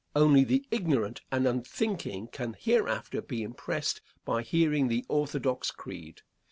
Only the ignorant and unthinking can hereafter be impressed by hearing the orthodox creed.